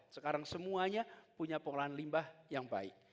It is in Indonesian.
sekarang semuanya punya pengolahan limbah yang baik